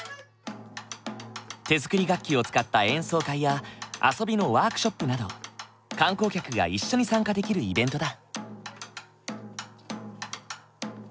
手作り楽器を使った演奏会や遊びのワークショップなど観光客が一緒に参加できるイベントだ。